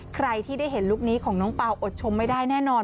ใครที่ได้เห็นลุคนี้ของน้องเปล่าอดชมไม่ได้แน่นอน